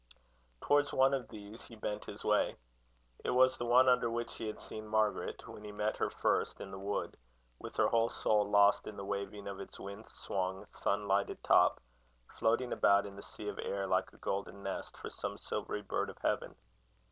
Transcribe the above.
Towards one of these he bent his way. It was the one under which he had seen Margaret, when he met her first in the wood, with her whole soul lost in the waving of its wind swung, sun lighted top, floating about in the sea of air like a golden nest for some silvery bird of heaven.